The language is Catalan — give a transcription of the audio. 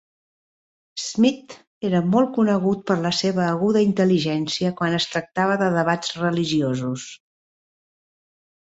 Smith era molt conegut per la seva aguda intel·ligència quan es tractava de debats religiosos.